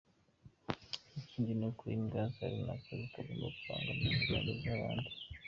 Ikindi ni uko imbwa za runaka zitagomba kubangamira umudendezo w’abandi.